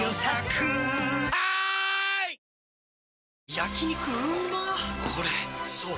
焼肉うまっ